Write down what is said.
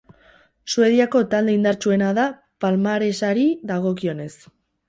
Suediako talde indartsuena da palmaresari dagokionez.